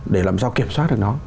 để làm sao kiểm soát được nó